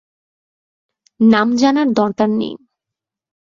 নাম জানার দরকার নেই।